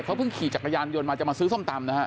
เขาเพิ่งขี่จักรยานยนต์มาจะมาซื้อส้มตำนะฮะ